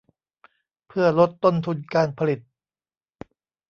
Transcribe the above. เพื่อลดต้นทุนการผลิต